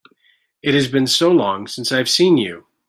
It has been so long since I have seen you!